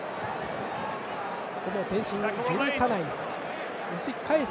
ここも前進を許さない押し返す